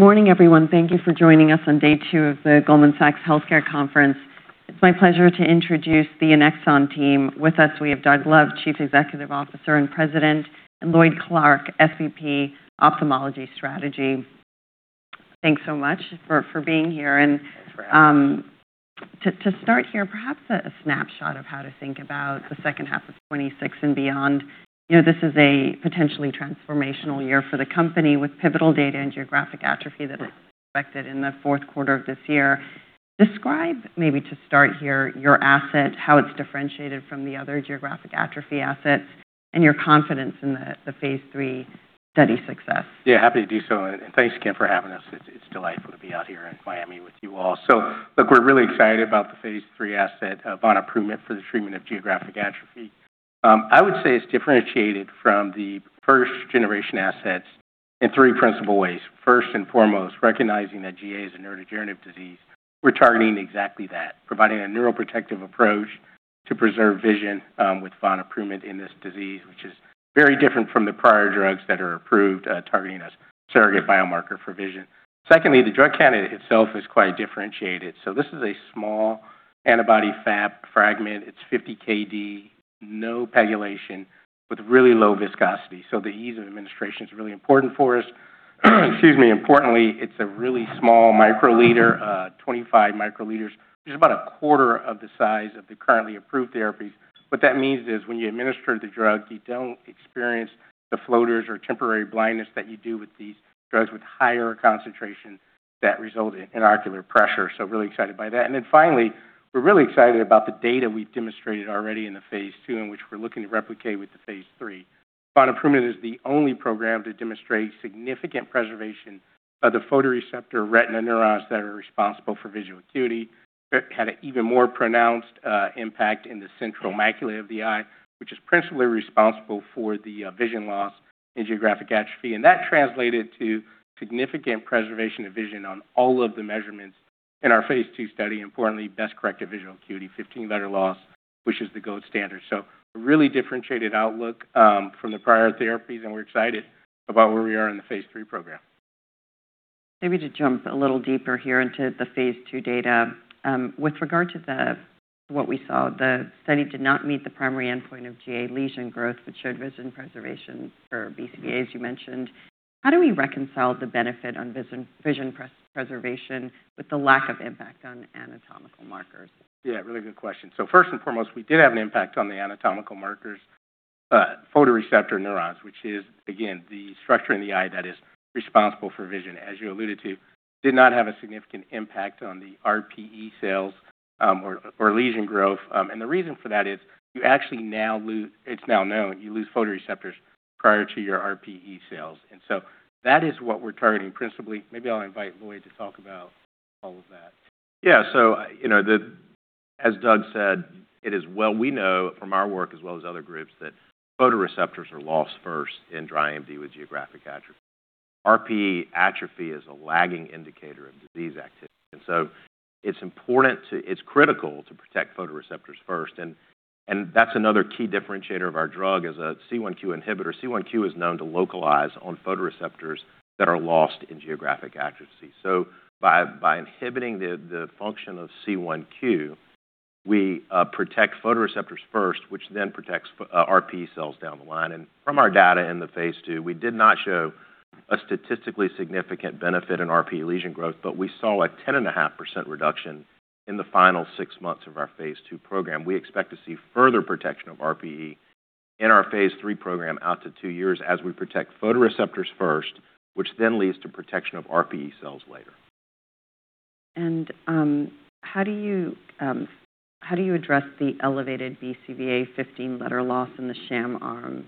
Good morning, everyone. Thank you for joining us on day two of the Goldman Sachs Healthcare Conference. It's my pleasure to introduce the Annexon team. With us, we have Doug Love, Chief Executive Officer and President, and Lloyd Clark, SVP, Ophthalmology Strategy. Thanks so much for being here. To start here, perhaps a snapshot of how to think about the second half of 2026 and beyond. This is a potentially transformational year for the company with pivotal data in geographic atrophy that is expected in the fourth quarter of this year. Describe, maybe to start here, your asset, how it's differentiated from the other geographic atrophy assets, and your confidence in the phase III study success? Yeah, happy to do so. Thanks again for having us. It's delightful to be out here in Miami with you all. Look, we're really excited about the phase III asset vonaprument for the treatment of geographic atrophy. I would say it's differentiated from the first-generation assets in three principal ways. First and foremost, recognizing that GA is a neurodegenerative disease, we're targeting exactly that, providing a neuroprotective approach to preserve vision with vonaprument in this disease, which is very different from the prior drugs that are approved targeting a surrogate biomarker for vision. Secondly, the drug candidate itself is quite differentiated. This is a small antibody Fab fragment. It's 50 kDa, no PEGylation, with really low viscosity. The ease of administration is really important for us. Excuse me. Importantly, it's a really small microliter, 25 microliters, which is about a quarter of the size of the currently approved therapies. What that means is when you administer the drug, you don't experience the floaters or temporary blindness that you do with these drugs with higher concentrations that result in ocular pressure. Really excited by that. Finally, we're really excited about the data we've demonstrated already in the phase II, which we're looking to replicate with the phase III. vonaprument is the only program to demonstrate significant preservation of the photoreceptor retina neurons that are responsible for visual acuity. It had an even more pronounced impact in the central macula of the eye, which is principally responsible for the vision loss in geographic atrophy, that translated to significant preservation of vision on all of the measurements in our phase II study. Importantly, best-corrected visual acuity, 15-letter loss, which is the gold standard. A really differentiated outlook from the prior therapies, and we're excited about where we are in the phase III program. Maybe to jump a little deeper here into the phase II data. With regard to what we saw, the study did not meet the primary endpoint of GA lesion growth, but showed vision preservation for BCVA, as you mentioned. How do we reconcile the benefit on vision preservation with the lack of impact on anatomical markers? Yeah, really good question. First and foremost, we did have an impact on the anatomical markers, photoreceptor neurons, which is, again, the structure in the eye that is responsible for vision. As you alluded to, did not have a significant impact on the RPE cells or lesion growth. The reason for that is it's now known you lose photoreceptors prior to your RPE cells, that is what we're targeting principally. Maybe I'll invite Lloyd to talk about all of that. As Doug said, we know from our work as well as other groups that photoreceptors are lost first in dry AMD with geographic atrophy. RPE atrophy is a lagging indicator of disease activity. It's critical to protect photoreceptors first, and that's another key differentiator of our drug as a C1q inhibitor. C1q is known to localize on photoreceptors that are lost in geographic atrophy. By inhibiting the function of C1q, we protect photoreceptors first, which then protects RPE cells down the line. From our data in the phase II, we did not show a statistically significant benefit in RPE lesion growth, but we saw a 10.5% reduction in the final six months of our phase II program. We expect to see further protection of RPE in our phase III program out to two years as we protect photoreceptors first, which then leads to protection of RPE cells later. How do you address the elevated BCVA 15-letter loss in the sham arm?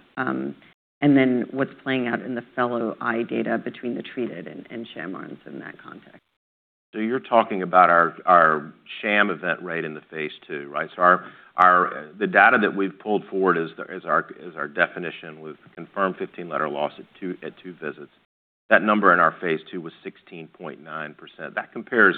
What's playing out in the fellow eye data between the treated and sham arms in that context? You're talking about our sham event rate in the phase II, right? The data that we've pulled forward as our definition with confirmed 15-letter loss at two visits. That number in our phase II was 16.9%.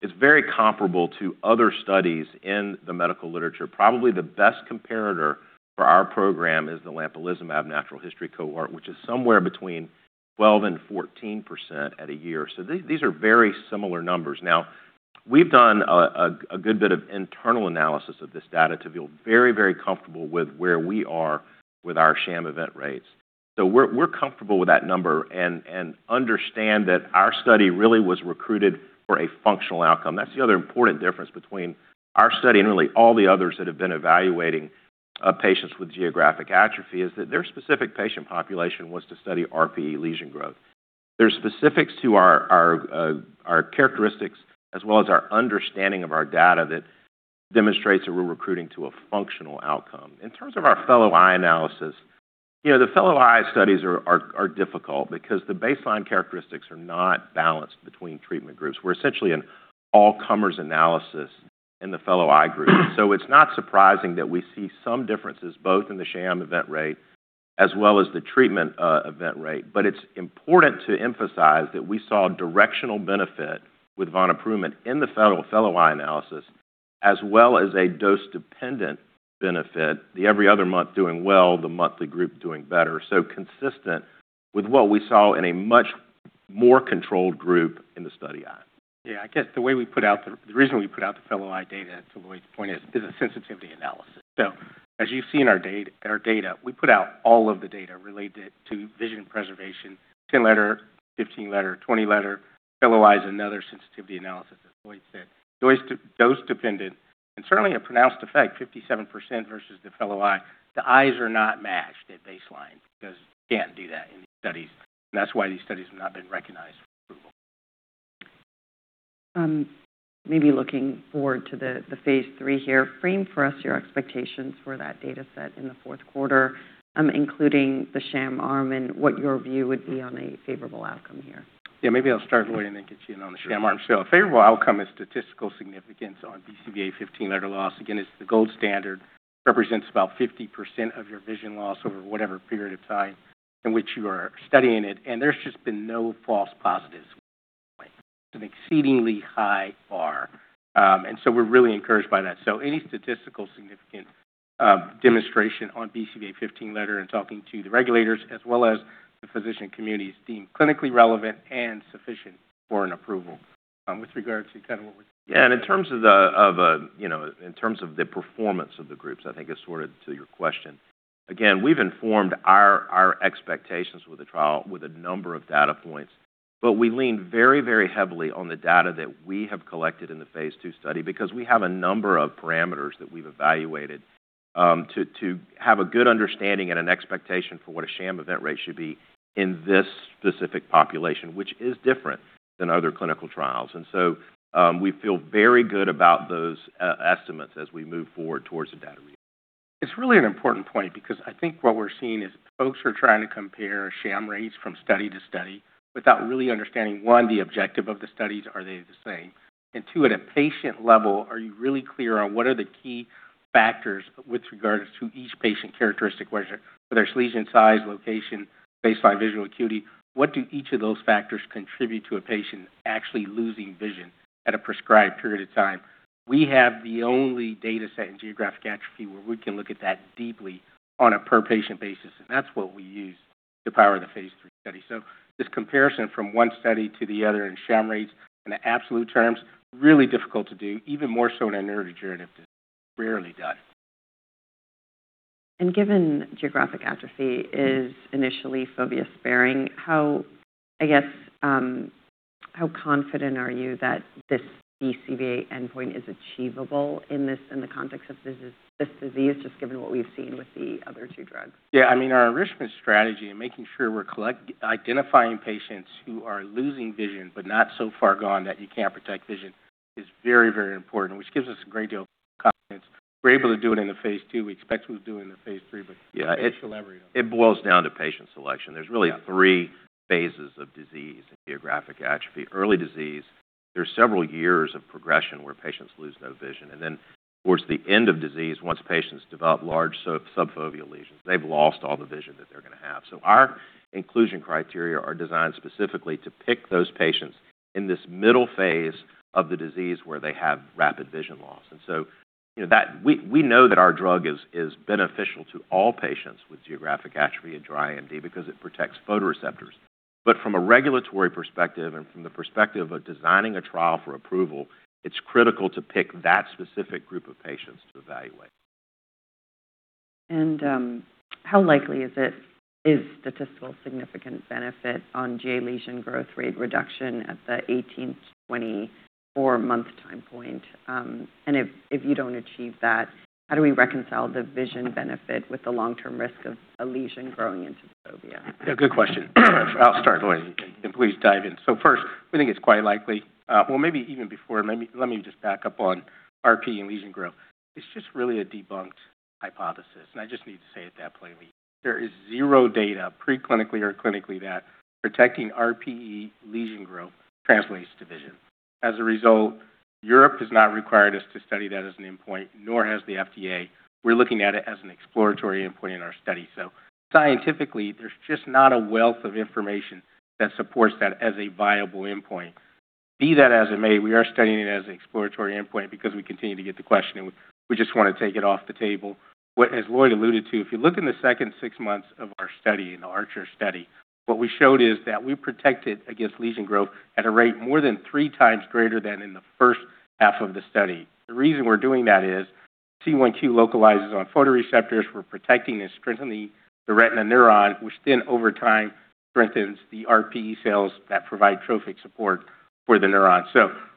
It's very comparable to other studies in the medical literature. Probably the best comparator for our program is the lampalizumab natural history cohort, which is somewhere between 12% and 14% at a year. These are very similar numbers. We've done a good bit of internal analysis of this data to feel very, very comfortable with where we are with our sham event rates. We're comfortable with that number and understand that our study really was recruited for a functional outcome. That's the other important difference between our study and really all the others that have been evaluating patients with geographic atrophy, is that their specific patient population was to study RPE lesion growth. There's specifics to our characteristics as well as our understanding of our data that demonstrates that we're recruiting to a functional outcome. In terms of our fellow eye analysis, the fellow eye studies are difficult because the baseline characteristics are not balanced between treatment groups. We're essentially an all-comers analysis in the fellow eye group. It's not surprising that we see some differences both in the sham event rate as well as the treatment event rate. It's important to emphasize that we saw directional benefit with vonaprument in the fellow eye analysis, as well as a dose-dependent benefit, the every other month doing well, the monthly group doing better. Consistent with what we saw in a much more controlled group in the study eye. I guess the reason we put out the fellow eye data, to Lloyd's point, is a sensitivity analysis. As you see in our data, we put out all of the data related to vision preservation, 10-letter, 15-letter, 20-letter. Fellow eye is another sensitivity analysis, as Lloyd said. Dose-dependent and certainly a pronounced effect, 57% versus the fellow eye. The eyes are not matched at baseline because you can't do that in these studies, and that's why these studies have not been recognized for approval. Maybe looking forward to the phase III here. Frame for us your expectations for that data set in the fourth quarter, including the sham arm and what your view would be on a favorable outcome here? Yeah, maybe I'll start, Lloyd, and then get you in on the sham arm. A favorable outcome is statistical significance on BCVA 15-letter loss. Again, it's the gold standard. Represents about 50% of your vision loss over whatever period of time in which you are studying it, and there's just been no false positives at this point. It's an exceedingly high bar. We're really encouraged by that. Any statistical significant demonstration on BCVA 15-letter in talking to the regulators as well as the physician community is deemed clinically relevant and sufficient for an approval with regards to what we're seeing. Yeah, in terms of the performance of the groups, I think is to your question. Again, we've informed our expectations with the trial with a number of data points, but we lean very heavily on the data that we have collected in the phase II study because we have a number of parameters that we've evaluated to have a good understanding and an expectation for what a sham event rate should be in this specific population, which is different than other clinical trials. We feel very good about those estimates as we move forward towards the data read. It's really an important point because I think what we're seeing is folks are trying to compare sham rates from study-to-study without really understanding, one, the objective of the studies. Are they the same? Two, at a patient level, are you really clear on what are the key factors with regards to each patient characteristic? Whether it's lesion size, location, baseline visual acuity. What do each of those factors contribute to a patient actually losing vision at a prescribed period of time? We have the only data set in geographic atrophy where we can look at that deeply on a per-patient basis, and that's what we use to power the phase III study. This comparison from one study to the other in sham rates, in absolute terms, really difficult to do, even more so in a neurodegenerative disease. It's rarely done. Given geographic atrophy is initially fovea-sparing, how confident are you that this BCVA endpoint is achievable in the context of this disease, just given what we've seen with the other two drugs? Our enrichment strategy and making sure we're identifying patients who are losing vision but not so far gone that you can't protect vision is very important, which gives us a great deal of confidence. We were able to do it in the phase II. We expect we'll do it in the phase III, we'll elaborate on that. It boils down to patient selection. There's really three phases of disease in geographic atrophy. Early disease, there's several years of progression where patients lose no vision. Then towards the end of disease, once patients develop large subfoveal lesions, they've lost all the vision that they're going to have. Our inclusion criteria are designed specifically to pick those patients in this middle phase of the disease where they have rapid vision loss. We know that our drug is beneficial to all patients with geographic atrophy and dry AMD because it protects photoreceptors. From a regulatory perspective and from the perspective of designing a trial for approval, it's critical to pick that specific group of patients to evaluate. How likely is it is statistical significant benefit on GA lesion growth rate reduction at the 18 month-24 month time point? If you don't achieve that, how do we reconcile the vision benefit with the long-term risk of a lesion growing into the fovea? Good question. I'll start. Lloyd, you can please dive in. First, we think it's quite likely. Well, maybe even before, let me just back up on RPE and lesion growth. It's just really a debunked hypothesis, and I just need to say it that plainly. There is zero data, preclinically or clinically, that protecting RPE lesion growth translates to vision. As a result, Europe has not required us to study that as an endpoint, nor has the FDA. We're looking at it as an exploratory endpoint in our study. Scientifically, there's just not a wealth of information that supports that as a viable endpoint. Be that as it may, we are studying it as an exploratory endpoint because we continue to get the question, and we just want to take it off the table. As Lloyd alluded to, if you look in the second six months of our study, in the ARCHER study, what we showed is that we protected against lesion growth at a rate more than 3x greater than in the first half of the study. The reason we're doing that is C1q localizes on photoreceptors. We're protecting and strengthening the retina neuron, which then over time strengthens the RPE cells that provide trophic support for the neuron.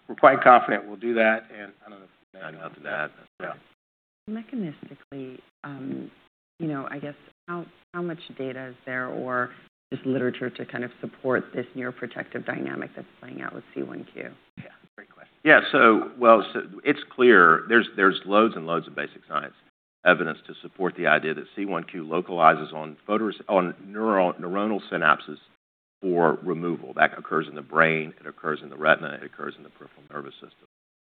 We're quite confident we'll do that, and I don't know if you want to add. Nothing to add. Yeah. Mechanistically, how much data is there or is literature to support this neuroprotective dynamic that's playing out with C1q? Yeah. Great question. It's clear there's loads and loads of basic science evidence to support the idea that C1q localizes on neuronal synapses for removal. That occurs in the brain, it occurs in the retina, it occurs in the peripheral nervous system.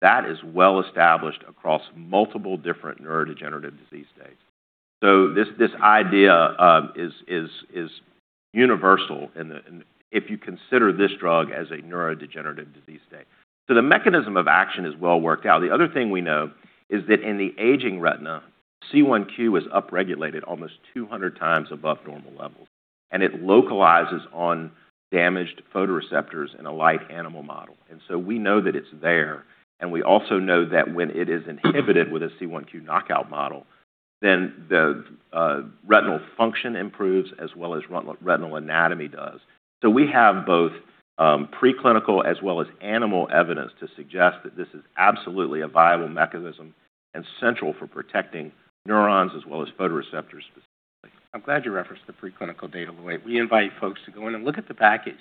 That is well established across multiple different neurodegenerative disease states. This idea is universal, and if you consider this drug as a neurodegenerative disease state. The mechanism of action is well worked out. The other thing we know is that in the aging retina, C1q is upregulated almost 200x above normal levels, and it localizes on damaged photoreceptors in a light animal model. We know that it's there, and we also know that when it is inhibited with a C1q knockout model, then the retinal function improves as well as retinal anatomy does. We have both preclinical as well as animal evidence to suggest that this is absolutely a viable mechanism and central for protecting neurons as well as photoreceptors specifically. I'm glad you referenced the preclinical data, Lloyd. We invite folks to go in and look at the package.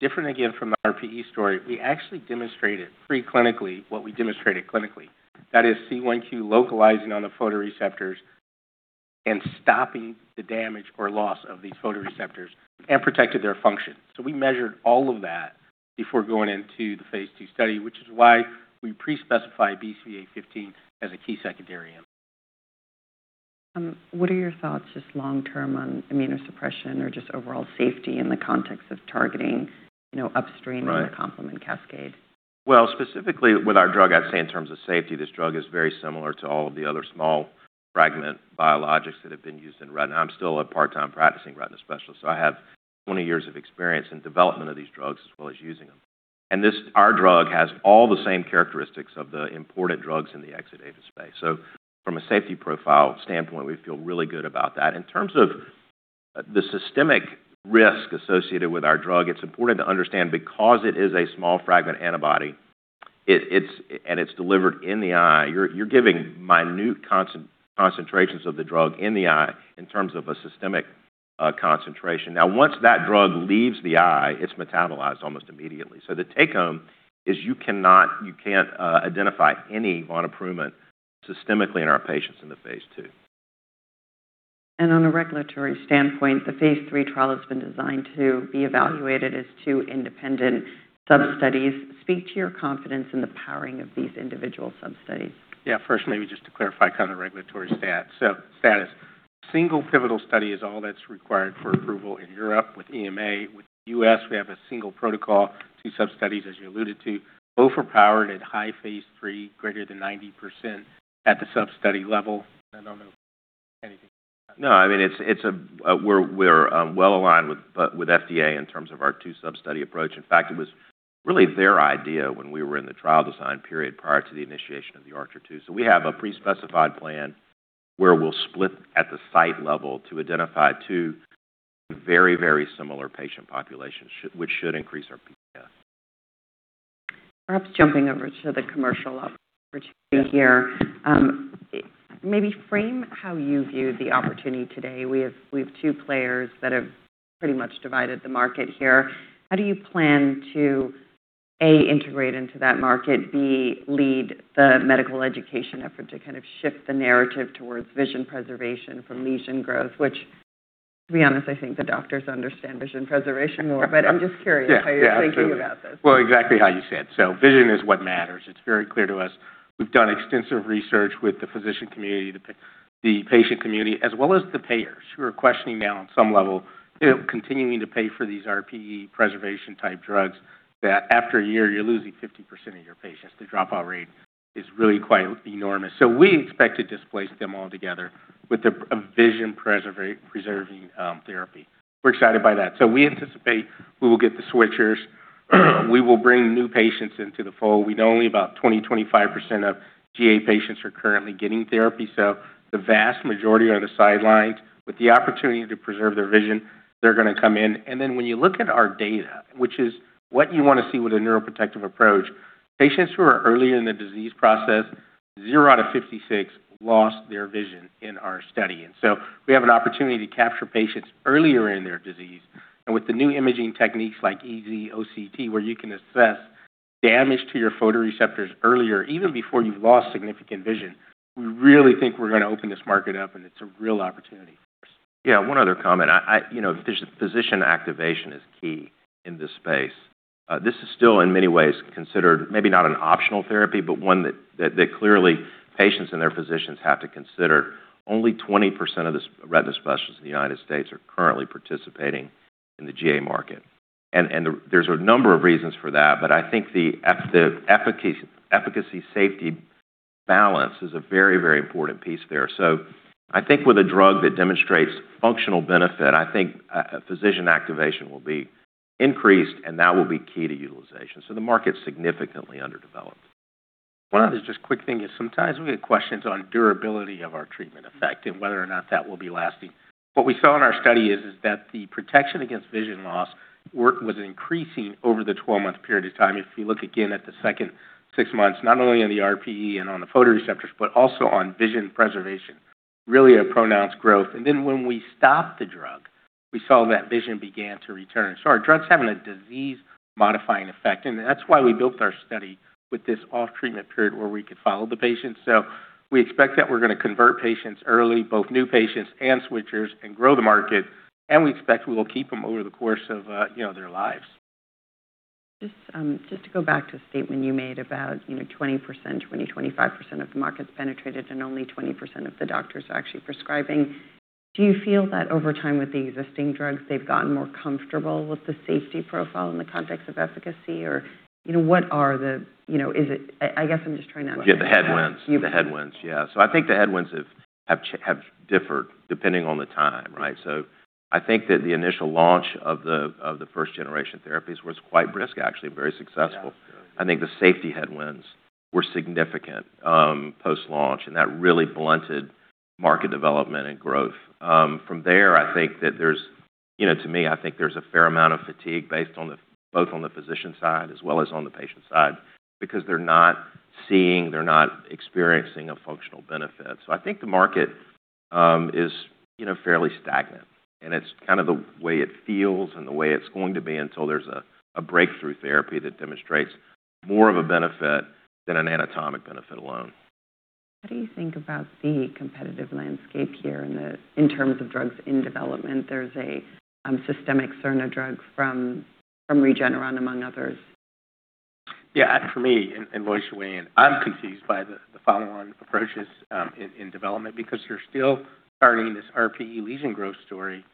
Different again from the RPE story. We actually demonstrated preclinically what we demonstrated clinically, that is C1q localizing on the photoreceptors and stopping the damage or loss of these photoreceptors and protected their function. We measured all of that before going into the phase II study, which is why we pre-specified BCVA 15-letter as a key secondary endpoint. What are your thoughts just long term on immunosuppression or just overall safety in the context of targeting upstream? Right. In the complement cascade? Well, specifically with our drug, I'd say in terms of safety, this drug is very similar to all of the other small fragment biologics that have been used in retina. I'm still a part-time practicing retina specialist, so I have 20 years of experience in development of these drugs as well as using them. Our drug has all the same characteristics of the important drugs in the exudative space. From a safety profile standpoint, we feel really good about that. In terms of the systemic risk associated with our drug, it's important to understand because it is a small fragment antibody, and it's delivered in the eye, you're giving minute concentrations of the drug in the eye in terms of a systemic concentration. Once that drug leaves the eye, it's metabolized almost immediately. The take home is you can't identify any vonaprument systemically in our patients in the phase II. On a regulatory standpoint, the phase III trial has been designed to be evaluated as two independent sub-studies. Speak to your confidence in the powering of these individual sub-studies? Yeah. First, maybe just to clarify the regulatory status. Single pivotal study is all that's required for approval in Europe with EMA. With the U.S., we have a single protocol, two sub-studies, as you alluded to, overpowered at high phase III, greater than 90% at the sub-study level. I don't know if you want to add anything to that. No, we're well aligned with FDA in terms of our two sub-study approach. In fact, it was really their idea when we were in the trial design period prior to the initiation of the ARCHER II. We have a pre-specified plan where we'll split at the site level to identify two very similar patient populations, which should increase our [PDA. Perhaps jumping over to the commercial opportunity here. Maybe frame how you view the opportunity today. We have two players that have pretty much divided the market here. How do you plan to, A, integrate into that market, B, lead the medical education effort to shift the narrative towards vision preservation from lesion growth? Which, to be honest, I think the doctors understand vision preservation more, but I'm just curious how you're thinking about this? Well, exactly how you said. Vision is what matters. It's very clear to us. We've done extensive research with the physician community, the patient community, as well as the payers who are questioning now on some level continuing to pay for these RPE preservation-type drugs that after a year, you're losing 50% of your patients. The dropout rate is really quite enormous. We expect to displace them altogether with a vision-preserving therapy. We're excited by that. We anticipate we will get the switchers. We will bring new patients into the fold. We know only about 20%, 25% of GA patients are currently getting therapy. The vast majority are on the sidelines. With the opportunity to preserve their vision, they're going to come in. When you look at our data, which is what you want to see with a neuroprotective approach, patients who are earlier in the disease process, zero out of 56 lost their vision in our study. We have an opportunity to capture patients earlier in their disease. With the new imaging techniques like EZ OCT, where you can assess damage to your photoreceptors earlier, even before you have lost significant vision, we really think we are going to open this market up and it is a real opportunity for us. Yeah. One other comment. Physician activation is key in this space. This is still in many ways considered maybe not an optional therapy, but one that clearly patients and their physicians have to consider. Only 20% of the retina specialists in the U.S. are currently participating in the GA market. There is a number of reasons for that, but I think the efficacy safety balance is a very important piece there. I think with a drug that demonstrates functional benefit, I think physician activation will be increased, and that will be key to utilization. The market is significantly underdeveloped. One other just quick thing is sometimes we get questions on durability of our treatment effect and whether or not that will be lasting. What we saw in our study is that the protection against vision loss was increasing over the 12-month period of time. If you look again at the second six months, not only on the RPE and on the photoreceptors, but also on vision preservation, really a pronounced growth. When we stopped the drug, we saw that vision began to return. Our drug's having a disease-modifying effect, and that's why we built our study with this off-treatment period where we could follow the patients. We expect that we are going to convert patients early, both new patients and switchers, and grow the market, and we expect we will keep them over the course of their lives. Just to go back to a statement you made about 20%-25% of the market's penetrated and only 20% of the doctors are actually prescribing. Do you feel that over time with the existing drugs, they have gotten more comfortable with the safety profile in the context of efficacy? I guess I'm just trying to understand. The headwinds. I think the headwinds have differed depending on the time, right? I think that the initial launch of the first-generation therapies was quite brisk, actually, very successful. I think the safety headwinds were significant post-launch, and that really blunted market development and growth. From there, to me, I think there's a fair amount of fatigue based both on the physician side as well as on the patient side, because they're not seeing, they're not experiencing a functional benefit. I think the market is fairly stagnant, and it's kind of the way it feels and the way it's going to be until there's a breakthrough therapy that demonstrates more of a benefit than an anatomic benefit alone. How do you think about the competitive landscape here in terms of drugs in development? There's a systemic C5 drug from Regeneron, among others. Yeah, for me, and voice your way in, I'm confused by the follow-on approaches in development because you're still targeting this RPE lesion growth story,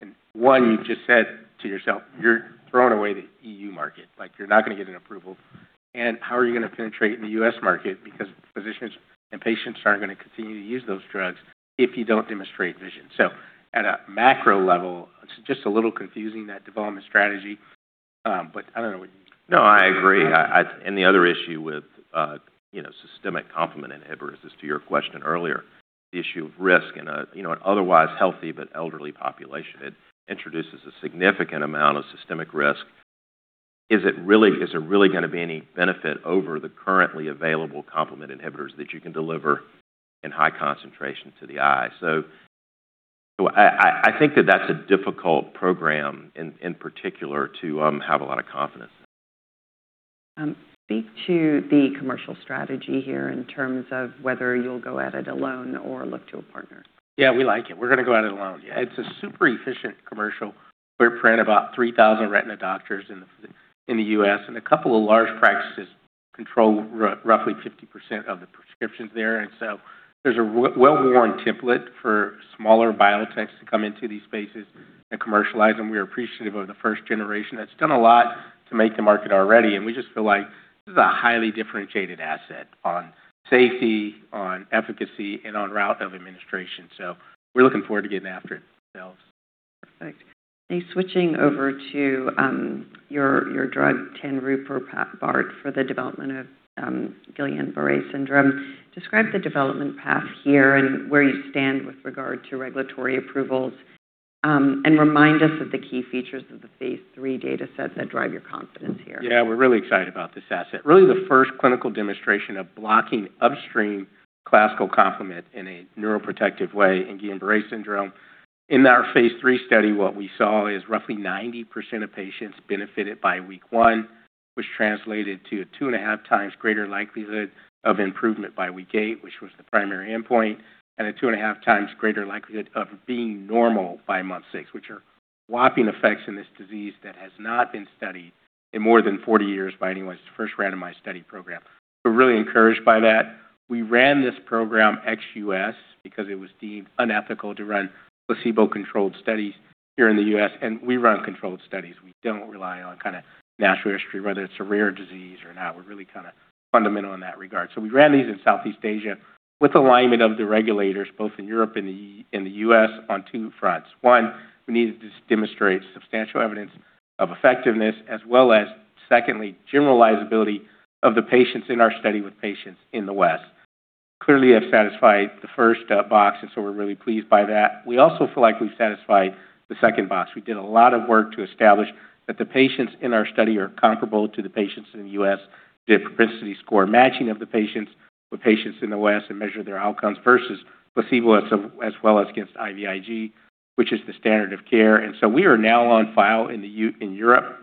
and one, you've just said to yourself, you're throwing away the E.U. market, you're not going to get an approval, and how are you going to penetrate in the U.S. market? Because physicians and patients aren't going to continue to use those drugs if you don't demonstrate vision. At a macro level, it's just a little confusing, that development strategy. I don't know what you think. I agree. The other issue with systemic complement inhibitors is to your question earlier, the issue of risk in an otherwise healthy but elderly population. It introduces a significant amount of systemic risk. Is there really going to be any benefit over the currently available complement inhibitors that you can deliver in high concentration to the eye? I think that that's a difficult program in particular to have a lot of confidence in. Speak to the commercial strategy here in terms of whether you'll go at it alone or look to a partner? We like it. We're going to go at it alone. It's a super efficient commercial footprint. About 3,000 retina doctors in the U.S., a couple of large practices control roughly 50% of the prescriptions there's a well-worn template for smaller biotechs to come into these spaces and commercialize them. We are appreciative of the first generation that's done a lot to make the market already, we just feel like this is a highly differentiated asset on safety, on efficacy, and on route of administration. We're looking forward to getting after it ourselves. Perfect. Switching over to your drug, tanruprubart, for the development of Guillain-Barré syndrome. Describe the development path here and where you stand with regard to regulatory approvals, remind us of the key features of the phase III data set that drive your confidence here? We're really excited about this asset. Really the first clinical demonstration of blocking upstream classical complement in a neuroprotective way in Guillain-Barré syndrome. In our phase III study, what we saw is roughly 90% of patients benefited by week one, which translated to a 2.5x greater likelihood of improvement by week eight, which was the primary endpoint, and a 2.5x greater likelihood of being normal by month six, which are whopping effects in this disease that has not been studied in more than 40 years by anyone. It's the first randomized study program. We're really encouraged by that. We ran this program ex-U.S. because it was deemed unethical to run placebo-controlled studies here in the U.S. We run controlled studies. We don't rely on natural history, whether it's a rare disease or not. We're really fundamental in that regard. We ran these in Southeast Asia with alignment of the regulators, both in Europe and the U.S., on two fronts. One, we needed to demonstrate substantial evidence of effectiveness as well as, secondly, generalizability of the patients in our study with patients in the West. Clearly have satisfied the first box. We're really pleased by that. We also feel like we've satisfied the second box. We did a lot of work to establish that the patients in our study are comparable to the patients in the U.S. Did a propensity score matching of the patients with patients in the West and measured their outcomes versus placebo as well as against IVIG, which is the standard of care. We are now on file in Europe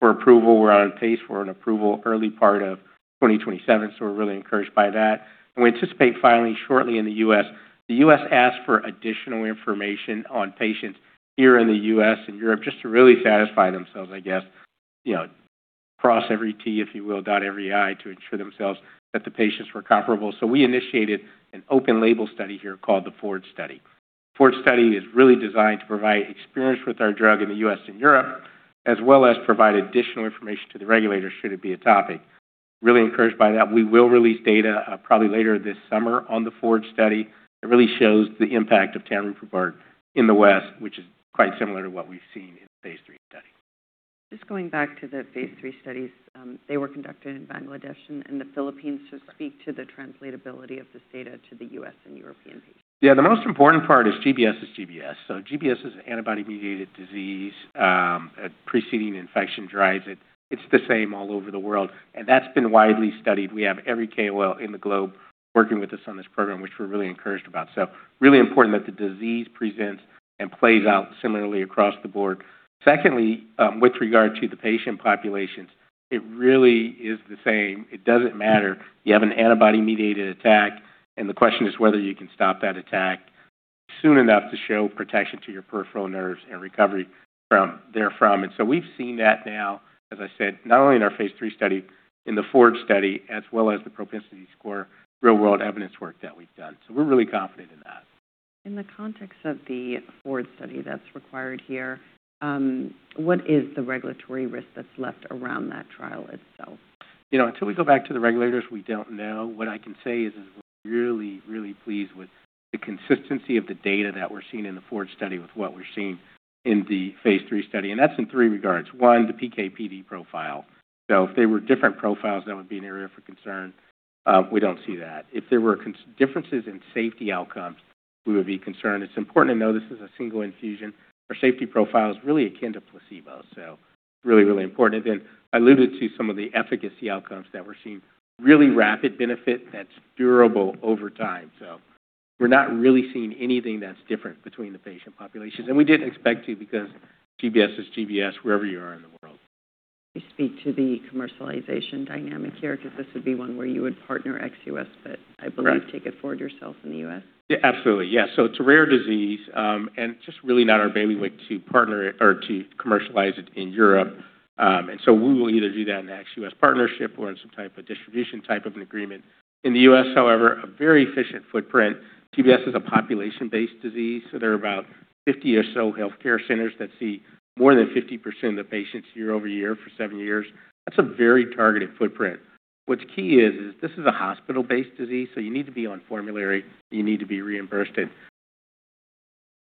for approval. We're on pace for an approval early part of 2027, so we're really encouraged by that, and we anticipate filing shortly in the U.S. The U.S. asked for additional information on patients here in the U.S. and Europe, just to really satisfy themselves, I guess, cross every T, if you will, dot every I to ensure themselves that the patients were comparable. We initiated an open-label study here called the FORGE study. The FORGE study is really designed to provide experience with our drug in the U.S. and Europe, as well as provide additional information to the regulators should it be a topic. Really encouraged by that. We will release data probably later this summer on the FORGE study. It really shows the impact of tanruprubart in the West, which is quite similar to what we've seen in the phase III study. Just going back to the phase III studies. They were conducted in Bangladesh and the Philippines to speak to the translatability of this data to the U.S. and European patients? Yeah, the most important part is GBS is GBS. GBS is an antibody-mediated disease. A preceding infection drives it. It's the same all over the world, and that's been widely studied. We have every KOL in the globe working with us on this program, which we're really encouraged about. Really important that the disease presents and plays out similarly across the board. Secondly, with regard to the patient populations, it really is the same. It doesn't matter. You have an antibody-mediated attack, and the question is whether you can stop that attack soon enough to show protection to your peripheral nerves and recovery therefrom. We've seen that now, as I said, not only in our phase III study, in the FORGE study, as well as the propensity score, real-world evidence work that we've done. We're really confident in that. In the context of the FORGE study that's required here, what is the regulatory risk that's left around that trial itself? Until we go back to the regulators, we don't know. What I can say is we're really, really pleased with the consistency of the data that we're seeing in the FORGE study with what we're seeing in the phase III study, and that's in three regards. One, the PK/PD profile. If they were different profiles, that would be an area for concern. We don't see that. If there were differences in safety outcomes, we would be concerned. It's important to know this is a single infusion. Our safety profile is really akin to placebo, so really, really important. I alluded to some of the efficacy outcomes that we're seeing really rapid benefit that's durable over time. We're not really seeing anything that's different between the patient populations. We didn't expect to, because GBS is GBS wherever you are in the world. Can you speak to the commercialization dynamic here? This would be one where you would partner ex-U.S., I believe- Right. -take it forward yourself in the U.S.? Absolutely. It's a rare disease, and it's just really not our bailiwick to partner it or to commercialize it in Europe. We will either do that in the ex-U.S. partnership or in some type of distribution type of an agreement. In the U.S., however, a very efficient footprint. GBS is a population-based disease, so there are about 50 or so healthcare centers that see more than 50% of the patients year-over-year for seven years. That's a very targeted footprint. What's key is, this is a hospital-based disease, so you need to be on formulary, you need to be reimbursed, and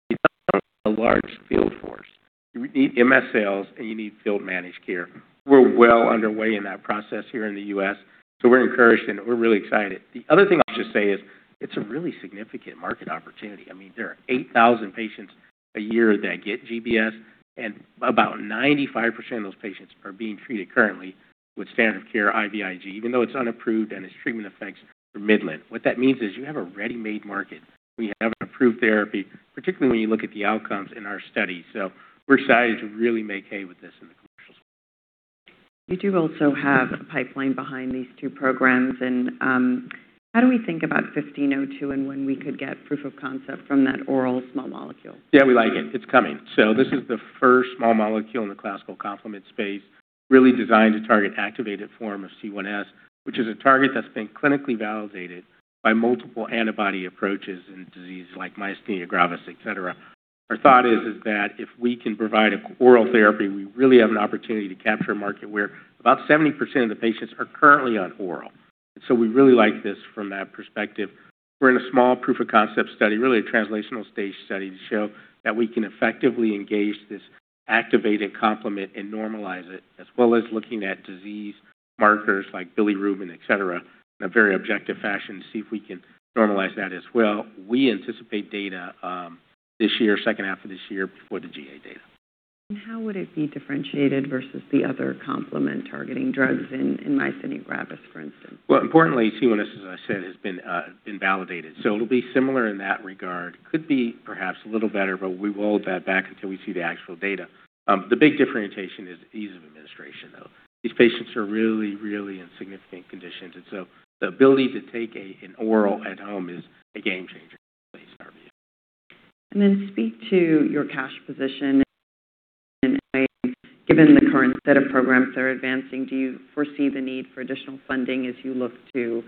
you need a large field force. You need MSL and you need field managed care. We're well underway in that process here in the U.S. We're encouraged and we're really excited. The other thing I'll just say is it's a really significant market opportunity. There are 8,000 patients a year that get GBS, and about 95% of those patients are being treated currently with standard care IVIG, even though it's unapproved and its treatment effects are middling. What that means is you have a ready-made market. We have an approved therapy, particularly when you look at the outcomes in our study. We're excited to really make hay with this in the commercial space. You do also have a pipeline behind these two programs, how do we think about ANX1502 and when we could get proof of concept from that oral small molecule? Yeah, we like it. It's coming. This is the first small molecule in the classical complement space, really designed to target activated form of C1s, which is a target that's been clinically validated by multiple antibody approaches in diseases like myasthenia gravis, et cetera. Our thought is that if we can provide an oral therapy, we really have an opportunity to capture a market where about 70% of the patients are currently on oral. We really like this from that perspective. We're in a small proof of concept study, really a translational stage study, to show that we can effectively engage this activated complement and normalize it, as well as looking at disease markers like bilirubin, et cetera, in a very objective fashion to see if we can normalize that as well. We anticipate data this year, second half of this year, before the GA data. How would it be differentiated versus the other complement targeting drugs in myasthenia gravis, for instance? Importantly, C1s, as I said, has been validated. It'll be similar in that regard. Could be perhaps a little better, but we will hold that back until we see the actual data. The big differentiation is ease of administration, though. These patients are really in significant conditions, and so the ability to take an oral at home is a game changer in this space, in our view. Speak to your cash position and given the current set of programs that are advancing, do you foresee the need for additional funding as you look to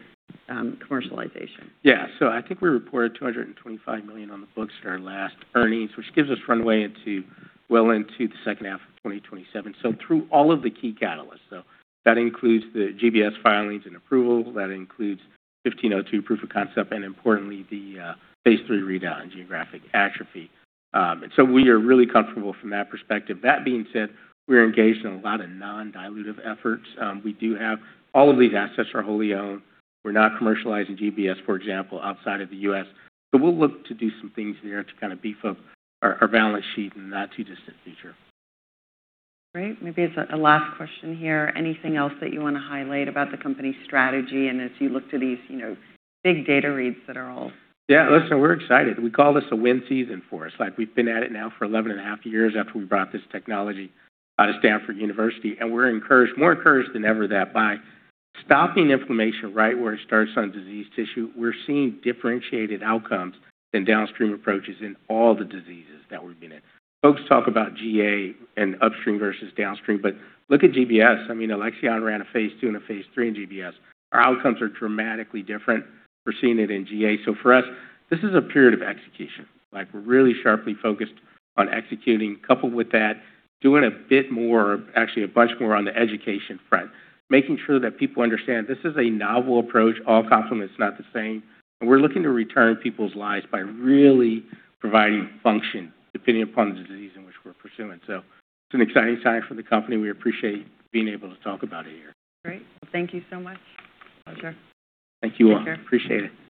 commercialization? We reported $225 million on the books at our last earnings, which gives us runway well into the second half of 2027. Through all of the key catalysts. That includes the GBS filings and approval. That includes ANX1502 proof of concept and importantly, the phase III readout on geographic atrophy. We are really comfortable from that perspective. That being said, we're engaged in a lot of non-dilutive efforts. We do have all of these assets are wholly owned. We're not commercializing GBS, for example, outside of the U.S. We'll look to do some things there to kind of beef up our balance sheet in the not-too-distant future. Great. Maybe as a last question here, anything else that you want to highlight about the company's strategy and as you look to these big data reads that are all? Listen, we're excited. We call this a win season for us. We've been at it now for 11.5 years after we brought this technology out of Stanford University, we're encouraged, more encouraged than ever, that by stopping inflammation right where it starts on diseased tissue. We're seeing differentiated outcomes than downstream approaches in all the diseases that we've been in. Folks talk about GA and upstream versus downstream, but look at GBS. Alexion ran a phase II and a phase III in GBS. Our outcomes are dramatically different. We're seeing it in GA. For us, this is a period of execution. We're really sharply focused on executing. Coupled with that, doing a bit more, actually a bunch more on the education front, making sure that people understand this is a novel approach. All complement's not the same. We're looking to return people's lives by really providing function depending upon the disease in which we're pursuing. It's an exciting time for the company. We appreciate being able to talk about it here. Great. Well, thank you so much. Pleasure. Thank you all. Take care. Appreciate it.